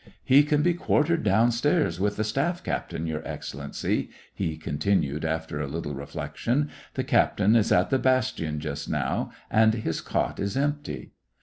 —" He can be quartered downstairs, with the staff cap tain, Your Excellency," he continued, after a little reflection. "The captain is at the bastion just now, and his cot is empty."